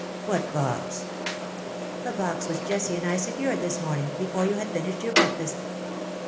''What box?" "A box which Jessie and I secured this morn ing, before you had finished your breakfast."